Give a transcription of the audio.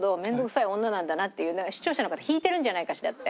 視聴者の方引いてるんじゃないかしらって。